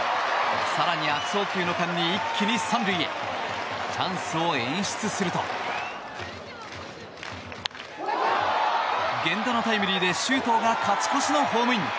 更に悪送球の間に３塁へ行きチャンスを演出すると源田のタイムリーで周東が勝ち越しのホームイン。